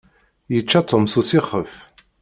Yečča Tom s usixef.